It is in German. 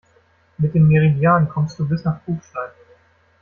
Mit dem Meridian kommst du bis nach Kufstein.